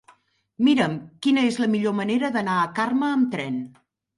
Mira'm quina és la millor manera d'anar a Carme amb tren.